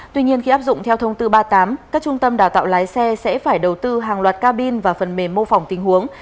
tuy nhiên khi áp dụng theo thông tư ba mươi tám các trung tâm đào tạo lái xe sẽ phải đầu tư hàng loạt cabin và phần mềm mô phỏng tình huống